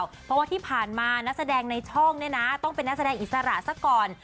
เพราะว่าที่ผ่านมานักแสดงในช่องเนี่ยนะต้องเป็นนักแสดงอิสระซะก่อน